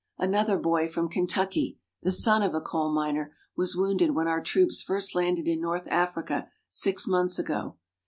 Another boy, from Kentucky, the son of a coal miner, was wounded when our troops first landed in North Africa six months ago.